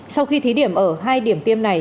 sau khi thí điểm ở hai điểm tiêm này